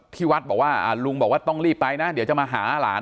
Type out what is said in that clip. ที่วัดบอกว่าลุงบอกว่าต้องรีบไปนะเดี๋ยวจะมาหาหลาน